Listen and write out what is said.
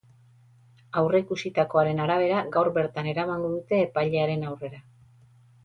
Aurreikusitakoaren arabera, gaur bertan eramango dute epailearen aurrera.